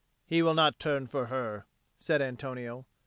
"He will not turn for her," said Antonio.